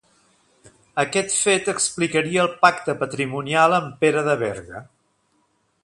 Aquest fet explicaria el pacte patrimonial amb Pere de Berga.